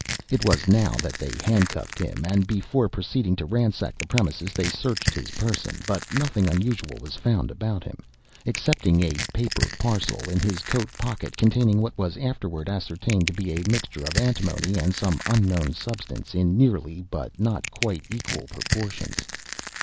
It was now that they hand cuffed him; and before proceeding to ransack the premises they searched his person, but nothing unusual was found about him, excepting a paper parcel, in his coat pocket, containing what was afterward ascertained to be a mixture of antimony and some unknown substance, in nearly, but not quite, equal proportions.